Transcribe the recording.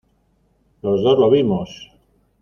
los dos lo vimos.